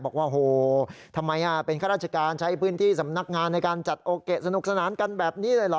บอกว่าโหทำไมเป็นข้าราชการใช้พื้นที่สำนักงานในการจัดโอเกะสนุกสนานกันแบบนี้เลยเหรอ